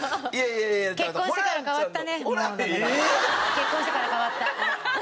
結婚してから変わった。